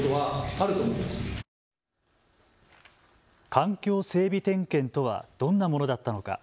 環境整備点検とはどんなものだったのか。